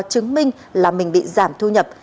chứng minh là mình bị giảm thu nhập